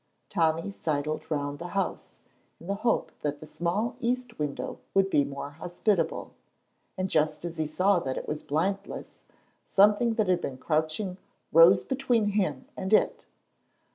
Tommy sidled round the house in the hope that the small east window would be more hospitable, and just as he saw that it was blindless something that had been crouching rose between him and it.